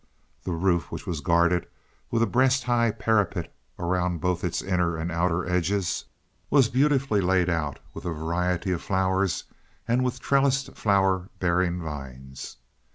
The roof, which was guarded with a breast high parapet around both its inner and outer edges, was beautifully laid out with a variety of flowers and with trellised flower bearing vines.